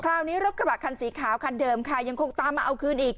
คราวนี้รถกระบะคันสีขาวคันเดิมค่ะยังคงตามมาเอาคืนอีก